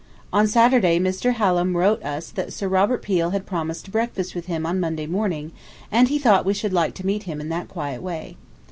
. On Saturday Mr. Hallam wrote us that Sir Robert Peel had promised to breakfast with him on Monday morning and he thought we should like to meet him in that quiet way.